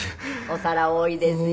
お皿多いですよね。